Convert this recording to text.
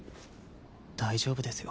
大丈夫ですよ